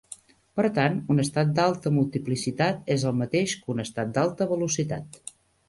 Per tant, un estat d'alta multiplicitat és el mateix que un estat d'alta velocitat.